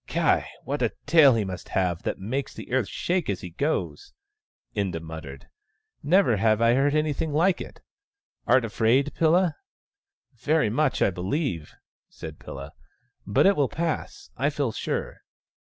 " Ky ! what a tail he must have, that makes the earth shake as he goes !" Inda muttered. " Never have I heard anything like it ! Art afraid, Pilla ?"" Very much, I believe," said Pilla. " But it will pass, I feel sure.